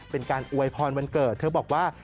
เป็นการอวยพรวันเกิดเธอบอกว่า